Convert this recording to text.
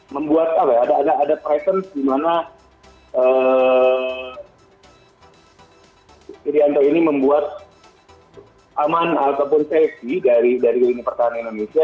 membuat ada presence dimana irianto ini membuat aman ataupun safety dari lingkungan pertahanan indonesia